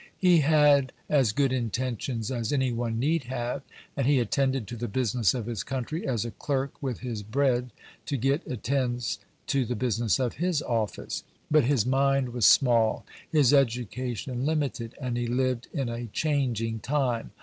He had as good intentions as any one need have, and he attended to the business of his country, as a clerk with his bread to get attends to the business of his office. But his mind was small, his education limited, and he lived in a changing time.